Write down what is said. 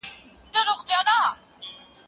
د پوهنتون د استادانو د معاشاتو کچه څومره ده؟